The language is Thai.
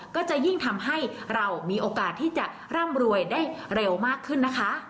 ก็จะยิ่งทำให้เรามีโอกาสที่จะร่ำรวยได้เร็วมากขึ้นนะคะ